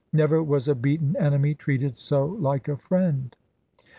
Never was a beaten enemy treated so like a friend.